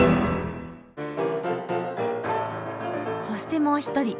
そしてもう一人。